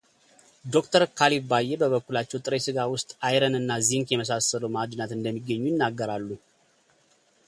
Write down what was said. ዶክተር ካሌብ ባዬ በበኩላቸው ጥሬ ሥጋ ውስጥ አይረን እና ዚንክ የመሳሰሉ ማዕድናት እንደሚገኙ ይናገራሉ።